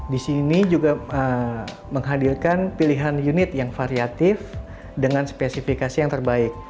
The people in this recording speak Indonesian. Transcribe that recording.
di sini juga menghadirkan pilihan unit yang variatif dengan spesifikasi yang terbaik